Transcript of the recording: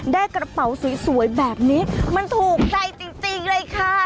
ได้กระเป๋าสวยแบบนี้มันถูกใจจริงเลยค่ะ